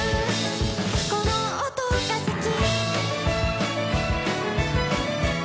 「この音が好き」